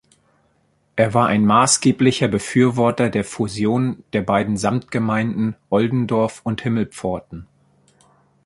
Er war ein maßgeblicher Befürworter der Fusion der beiden Samtgemeinden Oldendorf und Himmelpforten.